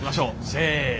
せの。